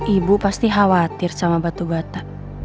ibu pasti khawatir sama batu bata